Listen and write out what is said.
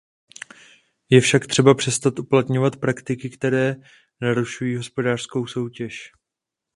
Je však třeba přestat uplatňovat praktiky, které narušují hospodářskou soutěž.